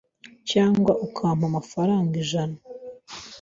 cyangwa ukampa amafaranga ijana